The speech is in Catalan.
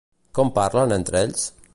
Com parlen entre ells?